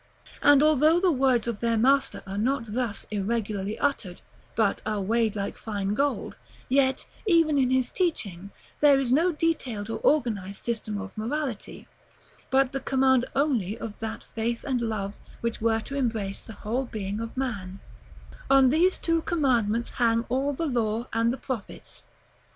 And, although the words of their Master are not thus irregularly uttered, but are weighed like fine gold, yet, even in His teaching, there is no detailed or organized system of morality; but the command only of that faith and love which were to embrace the whole being of man: "On these two commandments hang all the law and the prophets."